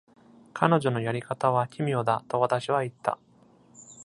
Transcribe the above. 「彼女のやり方は奇妙だ」と私は言った。